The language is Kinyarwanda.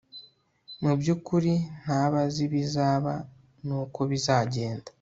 mu by'ukuri ntaba azi ibizaba, n'uko bizagenda